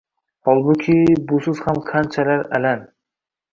Holbuki, busiz ham qanchalar alam